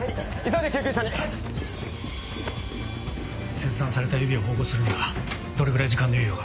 切断された指を縫合するにはどれぐらい時間の猶予が？